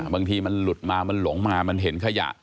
บางทีมันหลุดมามันหลงมามันเห็นขยะ